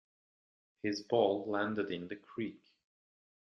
His ball landed in the creek.